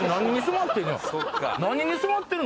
何に染まってんの？